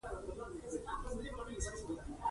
دې کار له یوه ذهنه سرچینه اخیستې وه